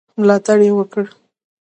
ملاتړ یې وکړ.